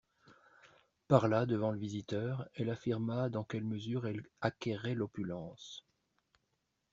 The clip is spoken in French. Par là, devant le visiteur, elle affirma dans quelle mesure elle acquérait l'opulence.